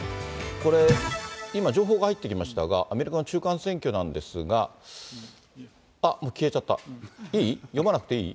これ、今、情報が入ってきましたが、アメリカの中間選挙なんですが、あっ、消えちゃった、いい？